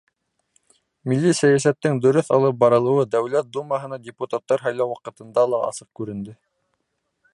Милли сәйәсәттең дөрөҫ алып барылыуы Дәүләт Думаһына депутаттар һайлау ваҡытында ла асыҡ күренде.